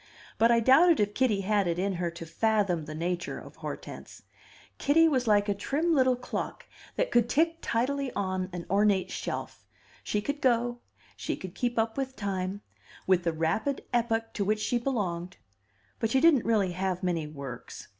But I doubted if Kitty had it in her to fathom the nature of Hortense. Kitty was like a trim little clock that could tick tidily on an ornate shelf; she could go, she could keep up with time, with the rapid epoch to which she belonged, but she didn't really have many works.